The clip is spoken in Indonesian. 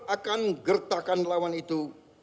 akan gertakan lawan itu